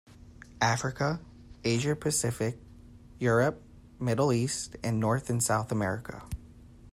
Africa, Asia-Pacific, Europe, Middle East and North and South America.